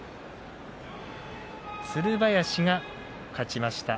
つる林が勝ちました。